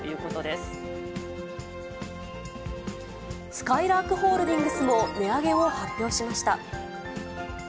すかいらーくホールディングスも値上げを発表しました。